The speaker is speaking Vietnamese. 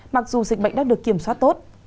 mặc dù dịch bệnh đã được kiểm soát tốt